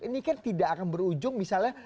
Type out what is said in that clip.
ini kan tidak akan berujung misalnya